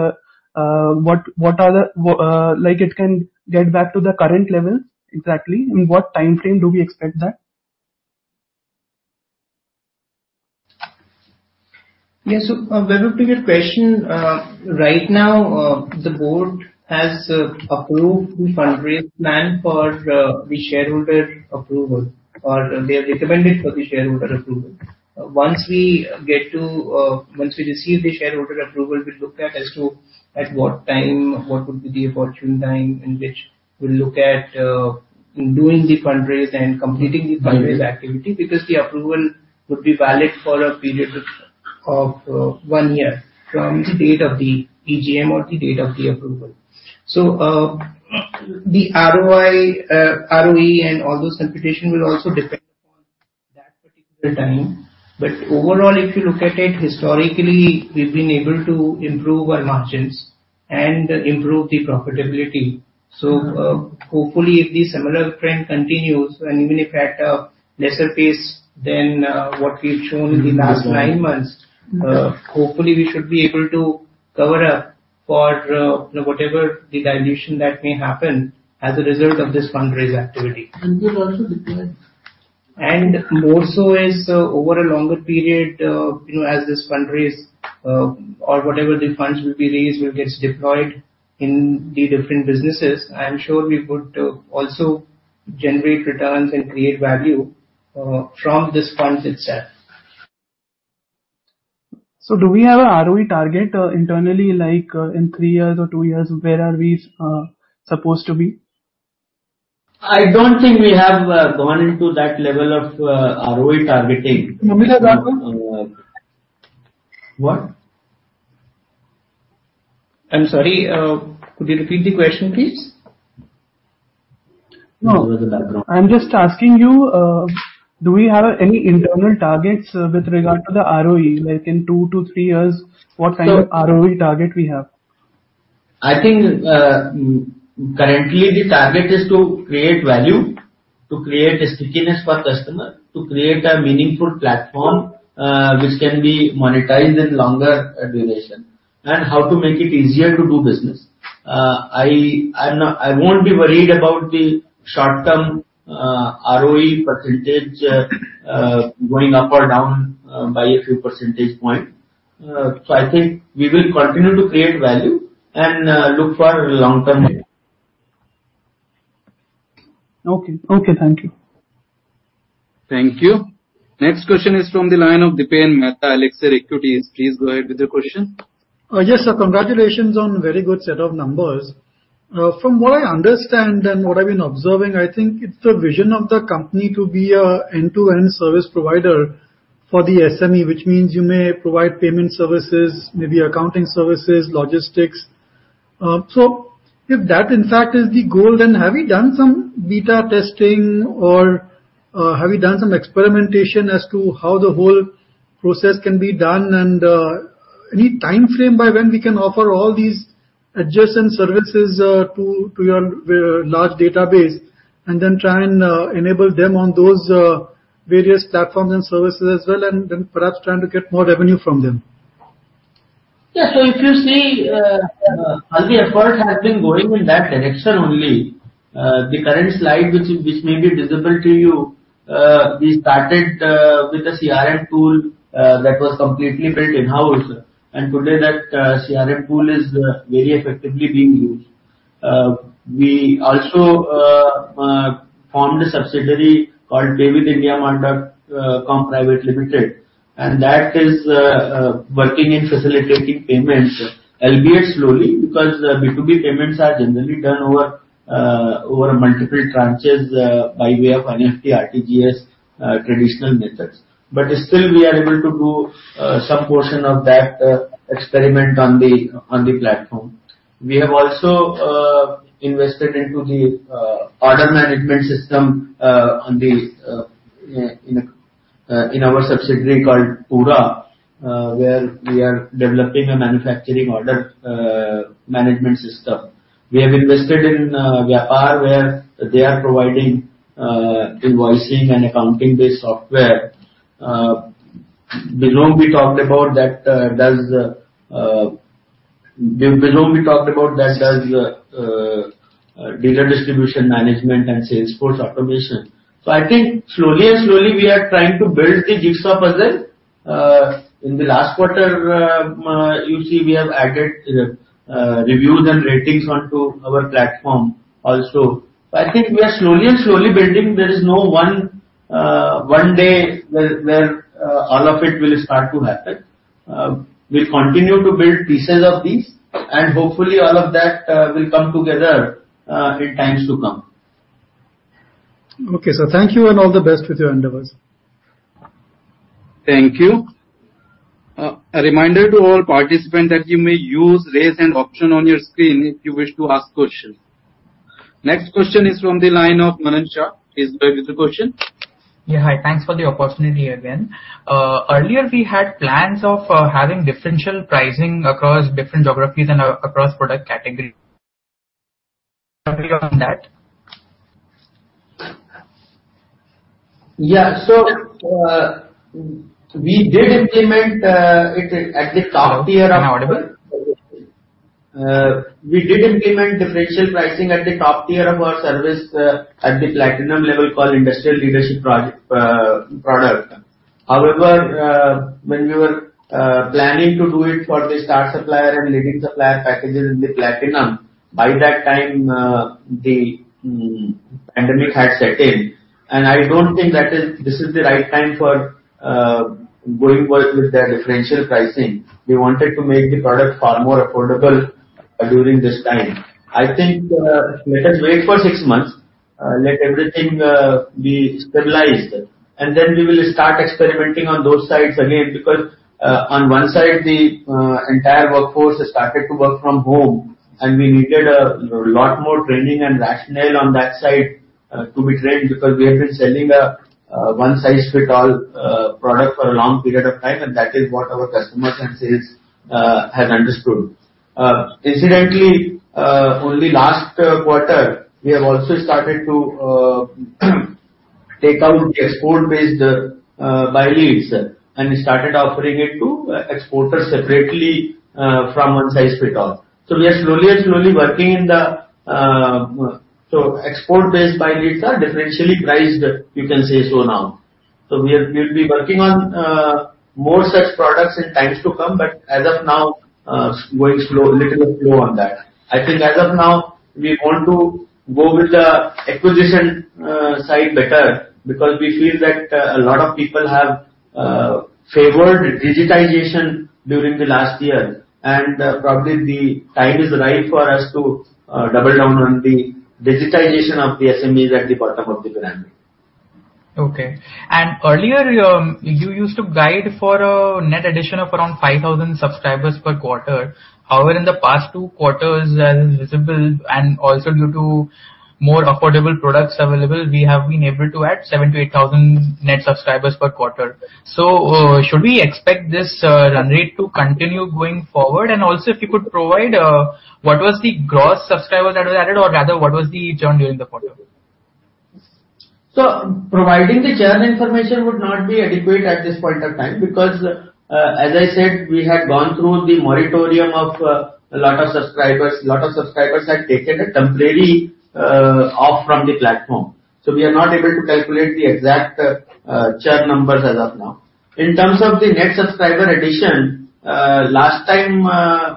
it can get back to the current levels exactly. In what time frame do we expect that? Yes, Vaibhav, to your question. Right now, the board has approved the fund raise plan for the shareholder approval, or they have recommended for the shareholder approval. Once we receive the shareholder approval, we'll look at as to at what time, what would be the opportune time in which we'll look at doing the fund raise and completing the fund raise activity, because the approval would be valid for a period of one year from the date of the EGM or the date of the approval. The ROE and all those computation will also depend upon that particular time. Overall, if you look at it historically, we've been able to improve our margins and improve the profitability. Hopefully, if the similar trend continues, and even if at a lesser pace than what we've shown in the last nine months, hopefully we should be able to cover up for whatever the dilution that may happen as a result of this fund raise activity. Will also deploy. More so is over a longer period, as this fund raise or whatever the funds will be raised, will get deployed in the different businesses. I am sure we would also generate returns and create value from this funds itself. Do we have an ROE target internally, like in three years or two years, where are we supposed to be? I don't think we have gone into that level of ROE targeting. Do we have a background? What. I'm sorry. Could you repeat the question, please? No. Do we have a background? I'm just asking you, do we have any internal targets with regard to the ROE? Like in two to three years, what kind of ROE target we have? I think currently the target is to create value, to create a stickiness for customer, to create a meaningful platform which can be monetized in longer duration, and how to make it easier to do business. I won't be worried about the short-term ROE percentage going up or down by a few percentage point. I think we will continue to create value and look for long-term. Okay. Thank you. Thank you. Next question is from the line of Dipan Mehta, Elixir Equities. Please go ahead with your question. Yes, sir. Congratulations on very good set of numbers. From what I understand and what I've been observing, I think it's the vision of the company to be a end-to-end service provider for the SME, which means you may provide payment services, maybe accounting services, logistics. If that, in fact, is the goal, then have you done some beta testing or have you done some experimentation as to how the whole process can be done and any time frame by when we can offer all these adjacent services to your large database and then try and enable them on those various platforms and services as well, and then perhaps trying to get more revenue from them? If you see, all the effort has been going in that direction only. The current slide, which may be visible to you. We started with a CRM tool that was completely built in-house, and today that CRM tool is very effectively being used. We also formed a subsidiary called Pay With IndiaMART Private Limited, and that is working in facilitating payments, albeit slowly, because B2B payments are generally done over multiple tranches by way of NEFT, RTGS, traditional methods. Still, we are able to do some portion of that experiment on the platform. We have also invested into the order management system in our subsidiary called Pooraa, where we are developing a manufacturing order management system. We have invested in Vyapar, where they are providing invoicing and accounting-based software. Bizom, we talked about that, does data distribution management and sales force automation. I think slowly and slowly we are trying to build the jigsaw puzzle. In the last quarter, you see we have added reviews and ratings onto our platform also. I think we are slowly and slowly building. There is no one day where all of it will start to happen. We'll continue to build pieces of these. Hopefully all of that will come together in times to come. Okay, sir. Thank you and all the best with your endeavors. Thank you. A reminder to all participants that you may use raise hand option on your screen if you wish to ask questions. Next question is from the line of Manan Shah. Please go ahead with the question. Yeah. Hi, thanks for the opportunity again. Earlier we had plans of having differential pricing across different geographies and across product category. Yeah. We did implement it at the top tier of. Now audible. We did implement differential pricing at the top tier of our service at the Platinum level called IM Industry Leader product. However, when we were planning to do it for the Star Supplier and Leading Supplier packages in the Platinum, by that time the pandemic had set in, and I don't think this is the right time for going with the differential pricing. We wanted to make the product far more affordable during this time. I think, let us wait for 6 months. Let everything be stabilized, and then we will start experimenting on those sides again, because on one side, the entire workforce started to work from home, and we needed a lot more training and rationale on that side to be trained because we have been selling a one-size-fit-all product for a long period of time, and that is what our customers and sales have understood. Incidentally, only last quarter, we have also started to take out export-based BuyLeads, and started offering it to exporters separately from one-size-fits-all. We are slowly working. Export-based BuyLeads are differentially priced, you can say so now. We'll be working on more such products in times to come, but as of now, going little slow on that. I think as of now, we want to go with the acquisition side better because we feel that a lot of people have favored digitization during the last year, and probably the time is right for us to double down on the digitization of the SMEs at the bottom of the pyramid. Okay. Earlier, you used to guide for a net addition of around 5,000 subscribers per quarter. However, in the past two quarters, as is visible, and also due to more affordable products available, we have been able to add 7,000 to 8,000 net subscribers per quarter. Should we expect this run rate to continue going forward? Also, if you could provide, what was the gross subscribers that were added, or rather, what was the churn during the quarter? Providing the churn information would not be adequate at this point of time because, as I said, we had gone through the moratorium of a lot of subscribers. A lot of subscribers had taken a temporary off from the platform. We are not able to calculate the exact churn numbers as of now. In terms of the net subscriber addition, last time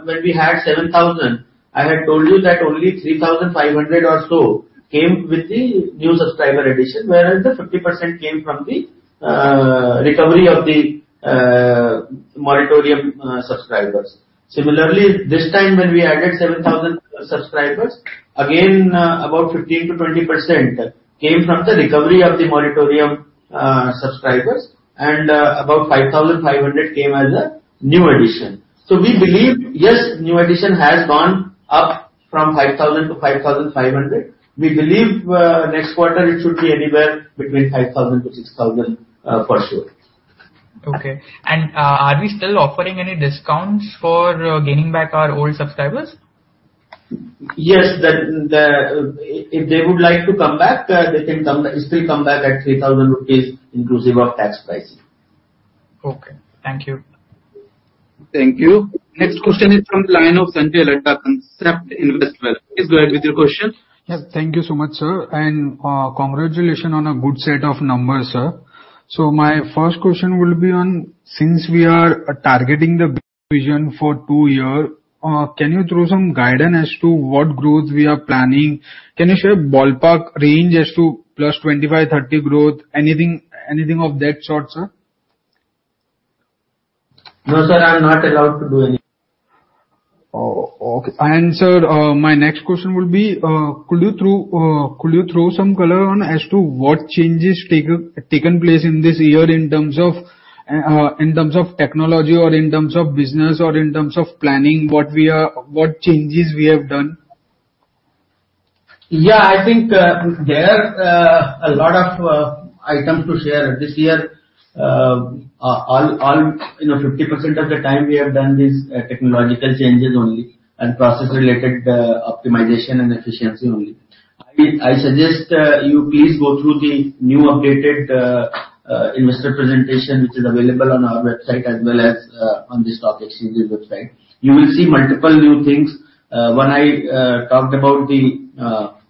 when we had 7,000, I had told you that only 3,500 or so came with the new subscriber addition, whereas the 50% came from the recovery of the moratorium subscribers. Similarly, this time when we added 7,000 subscribers, again, about 15%-20% came from the recovery of the moratorium subscribers, and about 5,500 came as a new addition. We believe, yes, new addition has gone up from 5,000-5,500. We believe next quarter it should be anywhere between 5,000-6,000 for sure. Okay. Are we still offering any discounts for gaining back our old subscribers? Yes. If they would like to come back, they can still come back at 3,000 rupees inclusive of tax price. Okay. Thank you. Thank you. Next question is from the line of Sanjay Ladda, Concept Invest Wealth. Please go ahead with your question. Yes. Thank you so much, sir, and congratulations on a good set of numbers, sir. My first question will be on, since we are targeting the vision for two year, can you throw some guidance as to what growth we are planning? Can you share a ballpark range as to +25%-30% growth? Anything of that sort, sir? No, sir, I'm not allowed to do any. Okay. Sir, my next question will be, could you throw some color on as to what changes taken place in this year in terms of technology or in terms of business or in terms of planning? What changes we have done? Yeah, I think there are a lot of items to share. This year, 50% of the time we have done these technological changes only and process-related optimization and efficiency only. I suggest you please go through the new updated investor presentation, which is available on our website as well as on the stock exchange's website. You will see multiple new things. One, I talked about the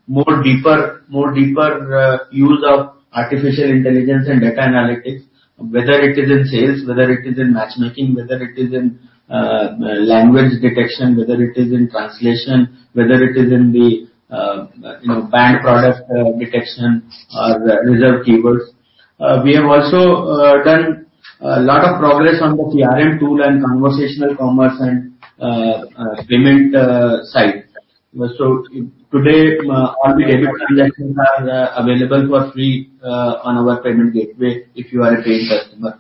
more deeper use of artificial intelligence and data analytics, whether it is in sales, whether it is in matchmaking, whether it is in language detection, whether it is in translation, whether it is in the banned product detection or reserved keywords. We have also done a lot of progress on the CRM tool and conversational commerce and payment side. Today, all the debit transactions are available for free on our payment gateway if you are a paying customer.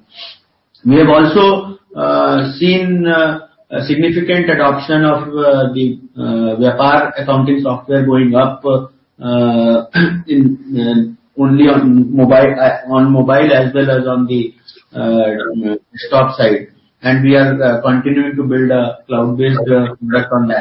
We have also seen a significant adoption of the Vyapar accounting software going up only on mobile as well as on the desktop side. We are continuing to build a cloud-based product on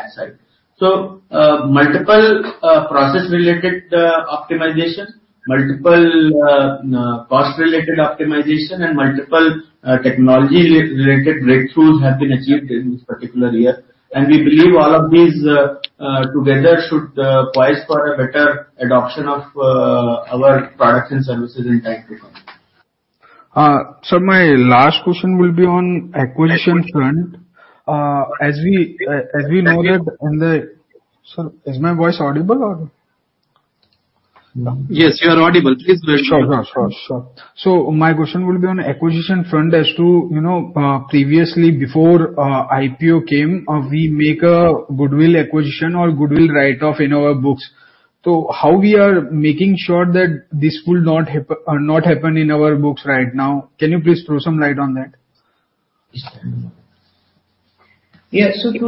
that side. Multiple process-related optimization, multiple cost-related optimization, and multiple technology-related breakthroughs have been achieved in this particular year. We believe all of these together should poise for a better adoption of our products and services in time to come. Sir, my last question will be on acquisition front. Sir, is my voice audible or no? Yes, you're audible. Please go ahead. Sure. My question will be on acquisition front as to, previously before IPO came, we make a goodwill acquisition or goodwill write-off in our books. How we are making sure that this will not happen in our books right now? Can you please throw some light on that? To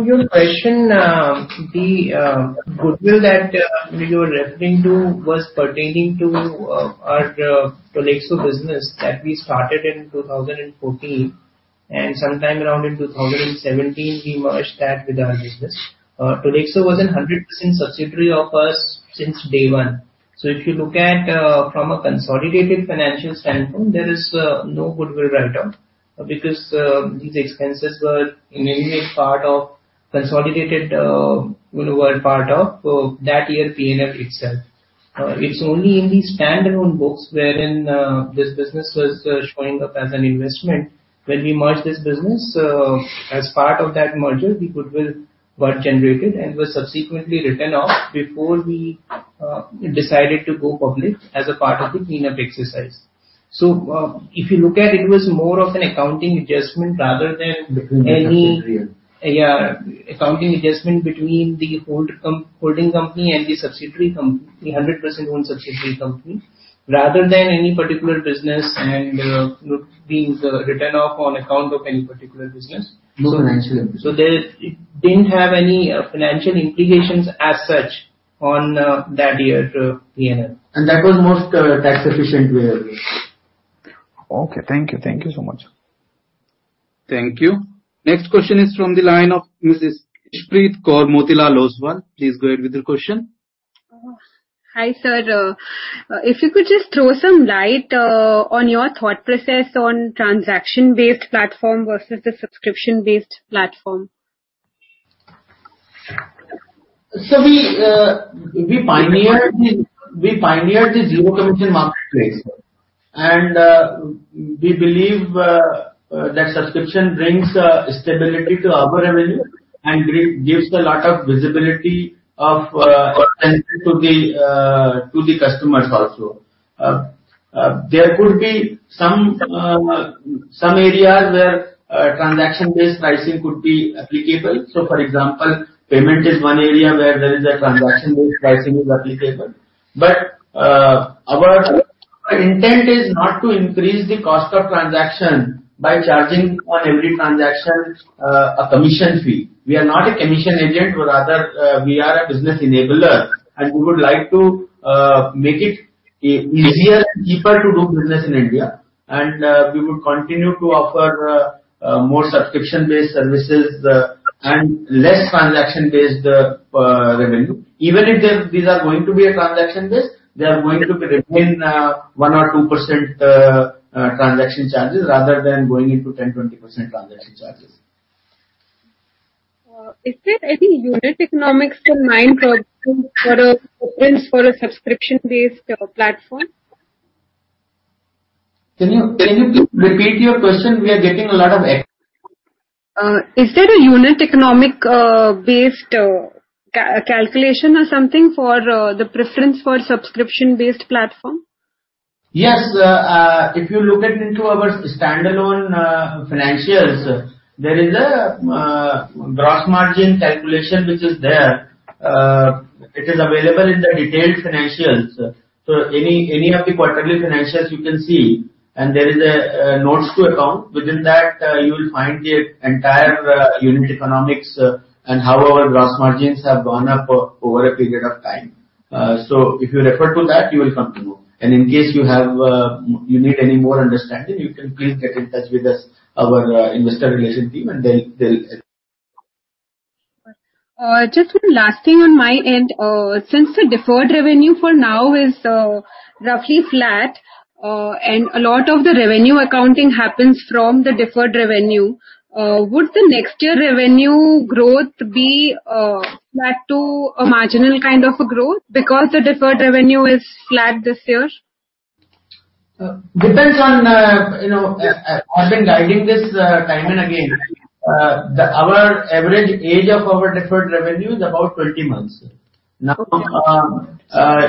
your question, the goodwill that you're referring to was pertaining to our Tolexo business that we started in 2014, and sometime around in 2017, we merged that with our business. Tolexo was 100% subsidiary of us since day one. If you look at from a consolidated financial standpoint, there is no goodwill write-off because these expenses were in any way part of consolidated, were part of that year P&L itself. It's only in the standalone books wherein this business was showing up as an investment. When we merged this business, as part of that merger, the goodwill was generated and was subsequently written off before we decided to go public as a part of the cleanup exercise. If you look at it was more of an accounting adjustment rather than. Between the subsidiary. Accounting adjustment between the holding company and the subsidiary company, the 100% owned subsidiary company, rather than any particular business and being written off on account of any particular business. No financial implications. It didn't have any financial implications as such on that year's P&L. That was most tax-efficient way. Okay. Thank you. Thank you so much. Thank you. Next question is from the line of Mrs. Ishpreet Kaur, Motilal Oswal. Please go ahead with your question. Hi, sir. If you could just throw some light on your thought process on transaction-based platform versus the subscription-based platform. We pioneered the zero-commission marketplace, and we believe that subscription brings stability to our revenue and gives a lot of visibility of our services to the customers also. There could be some areas where transaction-based pricing could be applicable. For example, payment is one area where there is a transaction-based pricing is applicable. Our intent is not to increase the cost of transaction by charging on every transaction a commission fee. We are not a commission agent; rather, we are a business enabler, and we would like to make it easier and cheaper to do business in India. We would continue to offer more subscription-based services and less transaction-based revenue. Even if these are going to be transaction-based, they are going to remain one or 2% transaction charges rather than going into 10%, 20% transaction charges. Is there any unit economics in mind for a subscription-based platform? Can you please repeat your question? We are getting a lot of echo. Is there a unit economic-based calculation or something for the preference for subscription-based platform? Yes. If you look into our standalone financials, there is a gross margin calculation which is there. It is available in the detailed financials. Any of the quarterly financials you can see, and there is a notes to account. Within that, you will find the entire unit economics and how our gross margins have gone up over a period of time. If you refer to that, you will come to know. In case you need any more understanding, you can please get in touch with our investor relation team and they'll assist. Just one last thing on my end. Since the deferred revenue for now is roughly flat and a lot of the revenue accounting happens from the deferred revenue, would the next year revenue growth be flat to a marginal kind of a growth because the deferred revenue is flat this year? I've been guiding this time and again. Our average age of our deferred revenue is about 20 months.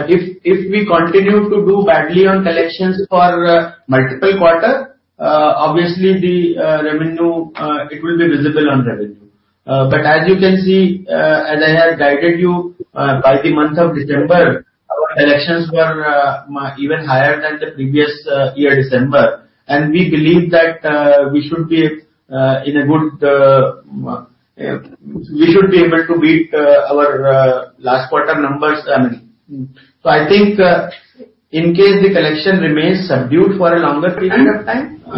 If we continue to do badly on collections for multiple quarters, obviously, the revenue, it will be visible on revenue. As you can see, as I have guided you, by the month of December, our collections were even higher than the previous year December, and we believe that we should be able to beat our last quarter numbers. I think, in case the collection remains subdued for a longer period of time, as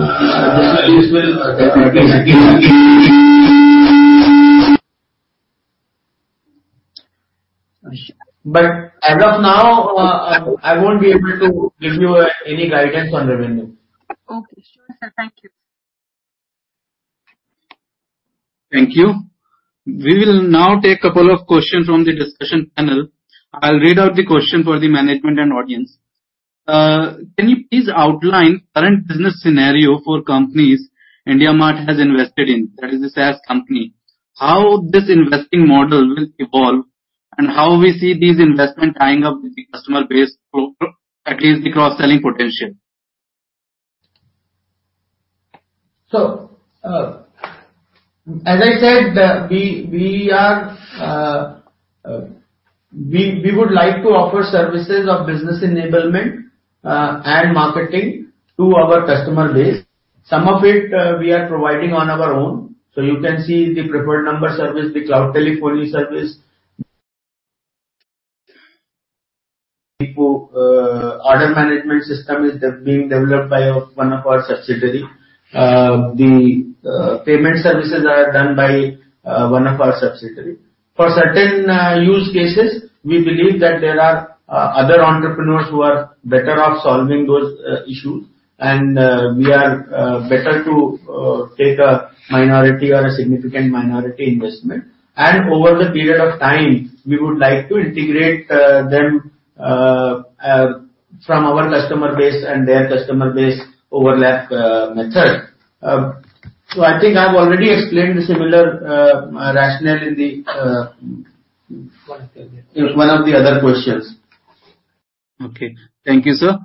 of now, I won't be able to give you any guidance on revenue. Okay. Sure, sir. Thank you. Thank you. We will now take a couple of questions from the discussion panel. I'll read out the question for the management and audience. Can you please outline current business scenario for companies IndiaMART has invested in, that is the SaaS company. How this investing model will evolve, and how we see these investment tying up with the customer base through at least the cross-selling potential. As I said, we would like to offer services of business enablement and marketing to our customer base. Some of it we are providing on our own. You can see the Preferred Number Service, the cloud telephony service. The order management system is being developed by one of our subsidiary. The payment services are done by one of our subsidiary. For certain use cases, we believe that there are other entrepreneurs who are better off solving those issues, and we are better to take a minority or a significant minority investment. Over the period of time, we would like to integrate them from our customer base and their customer base overlap method. I think I've already explained the similar rationale in one of the other questions. Okay. Thank you, sir.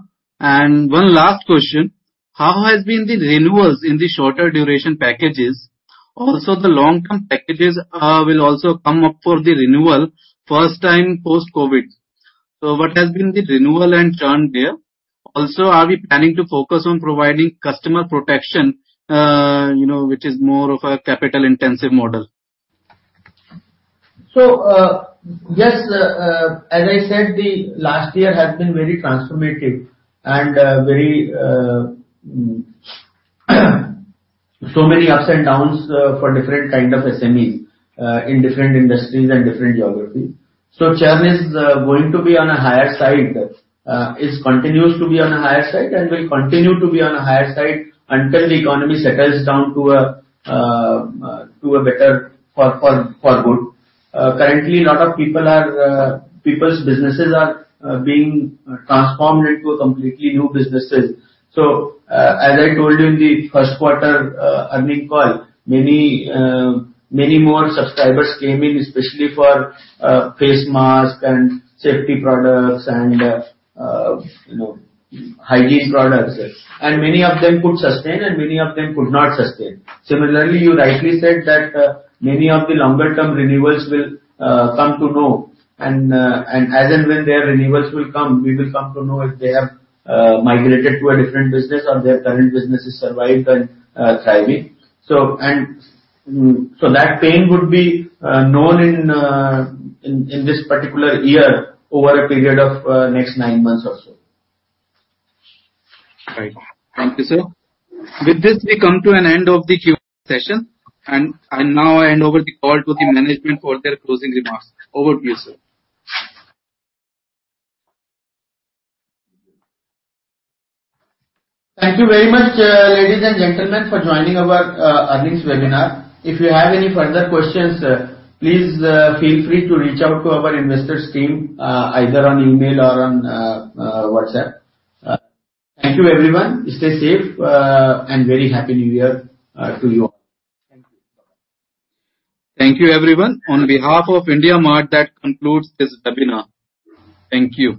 One last question. How has been the renewals in the shorter duration packages? The long-term packages will also come up for the renewal first time post-COVID. What has been the renewal and churn there? Are we planning to focus on providing customer protection which is more of a capital-intensive model? Yes. As I said, the last year has been very transformative and so many ups and downs for different kind of SMEs in different industries and different geographies. It continues to be on a higher side and will continue to be on a higher side until the economy settles down to a better for good. Currently, a lot of people's businesses are being transformed into completely new businesses. As I told you in the first quarter earnings call, many more subscribers came in especially for face mask and safety products and hygiene products. Many of them could sustain, and many of them could not sustain. Similarly, you rightly said that many of the longer-term renewals will come to know, and as and when their renewals will come, we will come to know if they have migrated to a different business or their current business has survived and thriving. That pain would be known in this particular year over a period of next nine months or so. Right. Thank you, sir. With this, we come to an end of the Q&A session. Now I hand over the call to the management for their closing remarks. Over to you, sir. Thank you very much, ladies and gentlemen, for joining our earnings webinar. If you have any further questions, please feel free to reach out to our investors team either on email or on WhatsApp. Thank you, everyone. Stay safe. Very happy New Year to you all. Thank you. Bye-bye. Thank you, everyone. On behalf of IndiaMART, that concludes this webinar. Thank you.